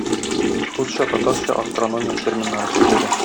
Русча-татарча астрономия терминнары сүзлеге.